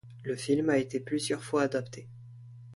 Le film a été plusieurs fois adapté.